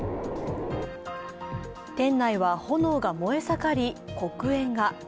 店内は炎が燃え盛り、黒煙が。